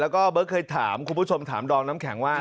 แล้วก็เบิร์ตเคยถามคุณผู้ชมถามดอมน้ำแข็งว่า